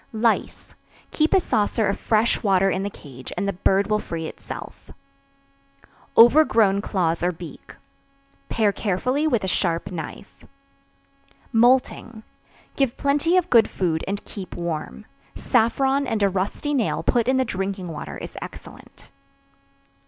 Lice. Keep a saucer of fresh water in the cage and the bird will free itself. Overgrown Claws or Beak. Pare carefully with a sharp knife. Moulting. Give plenty of good food and keep warm. Saffron and a rusty nail put in the drinking water is excellent.